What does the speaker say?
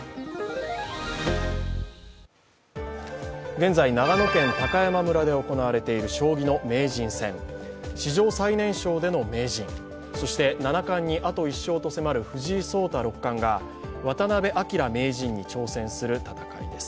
現在、長野県高山村で行われている将棋の名人戦。史上最年少での名人、そして、七冠にあと１勝と迫る藤井聡太六冠が渡辺明名人に挑戦する戦いです。